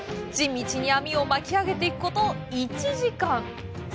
地道に網を巻き上げていくこと１時間！